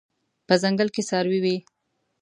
په ځنګل کې څاروي وي